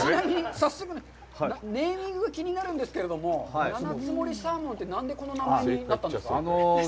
早速、ネーミングが気になるんですけど、七ツ森サーモンって何でこの名前になったんですか。